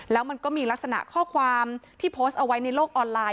แล้วมันก็มีลักษณะข้อความที่โพสต์เอาไว้ในโลกออนไลน